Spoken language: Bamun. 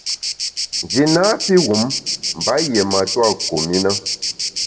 Nji napi wum mba yié matua kum i na.